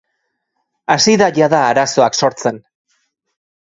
Hasi da jada arazoak sortzen.